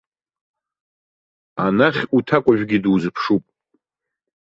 Анахь уҭакәажәгьы дузыԥшуп.